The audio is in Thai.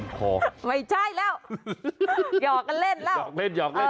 ไม่ใช่แล้วหยอกเล่นล่ะ